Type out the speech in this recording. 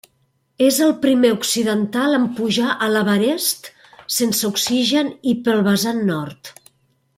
És el primer occidental en pujar a l'Everest sense oxigen i pel vessant nord.